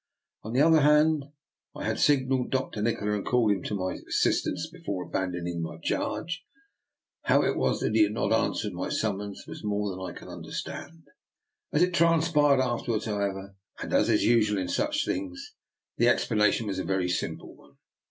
On the other hand I had signalled Nikola and called him to my assistance before abandoning my charge. How it was he had not answered my sum mons was more than I could understand. As it transpired afterwards, however, and as is usual in such things, the explanation was a very simple one.